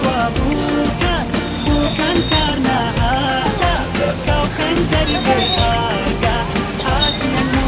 tapi orang orang disini tidak jadi barang saten